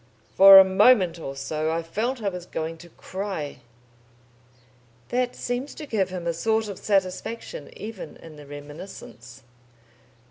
For a moment or so I felt I was going to cry...." That seems to give him a sort of satisfaction even in the reminiscence.